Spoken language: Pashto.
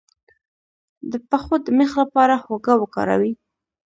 د پښو د میخ لپاره هوږه وکاروئ